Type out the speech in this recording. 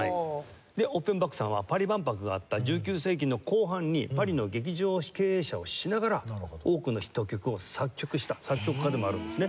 でオッフェンバックさんはパリ万博があった１９世紀の後半にパリの劇場経営者をしながら多くのヒット曲を作曲した作曲家でもあるんですね。